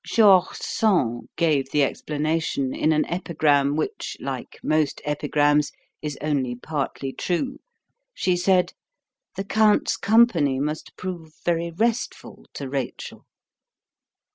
George Sand gave the explanation in an epigram which, like most epigrams, is only partly true. She said: "The count's company must prove very restful to Rachel."